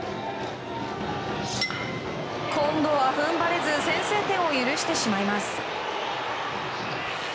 今度は踏ん張れず先制点を許してしまいます。